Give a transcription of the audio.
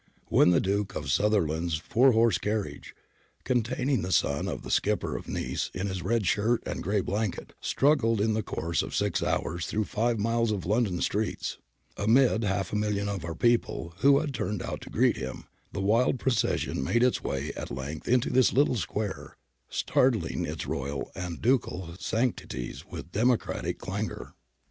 When the Duke of Sutherland's tour horse carriage, containing the son of the skipper of Nice in his red shirt and grey blanket, struggled in the course of six hours through five miles of London streets, amid half a million of our people who had turned out to greet him, the wild procession made its way at length into this little square, startling its Royal and Ducal sanctities with democratic clangour.